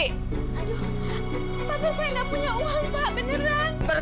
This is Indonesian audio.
aduh tapi saya nggak punya uang pak beneran